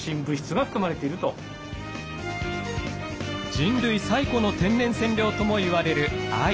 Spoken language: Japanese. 人類最古の天然染料ともいわれる藍。